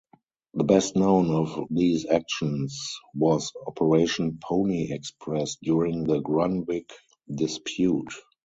The best known of these actions was "Operation Pony Express" during the Grunwick dispute.